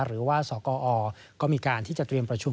หรือว่าสกอก็มีการที่จะเตรียมประชุม